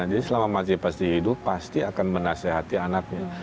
jadi selama makci pasti hidup pasti akan menasehati anaknya